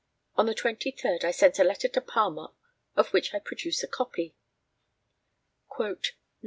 On the 23rd I sent a letter to Palmer, of which I produce a copy: "Nov.